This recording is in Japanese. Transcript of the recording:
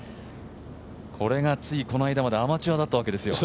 これがついこの間までアマチュアだったわけですよ。